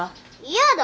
嫌だ！